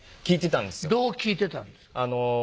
聞いてたんですよどう聞いてたんです？